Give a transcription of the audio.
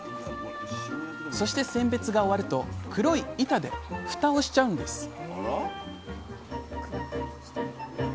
そして選別が終わると黒い板でフタをしちゃうんです